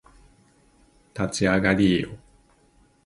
立ち上がりーよ